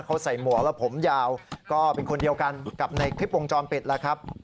เขาใส่หมวกแล้วผมยาวก็เป็นคนเดียวกันกับในคลิปวงจรปิดแล้วครับ